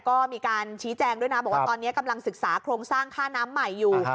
ก็มีการชี้แจงด้วยนะบอกว่าตอนนี้กำลังศึกษาโครงสร้างค่าน้ำใหม่อยู่